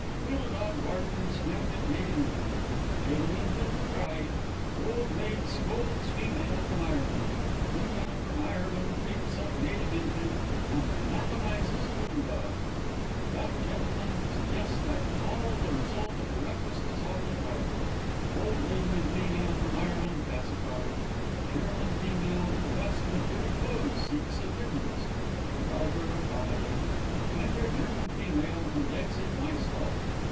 Poodle dog barked and snapped at native infant; native infant cried. Old maid scolds female from Ireland. Female from Ireland takes up native infant, and anathematizes poodle dog. Fat gentleman suggests that it's all the result of the recklessness of the driver. Old lady and female from Ireland pacified. German female, with a basket of dirty clothes, seeks admittance. Driver accommodating. Enter German female, and exit myself.